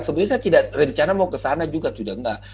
sebenarnya saya tidak rencana mau ke sana juga sudah enggak